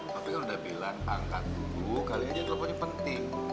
tapi kalo udah bilang angkat dulu kali aja telponnya penting